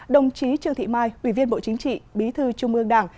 đồng chí trương thị mai ủy viên bộ chính trị bí thư trung ương đảng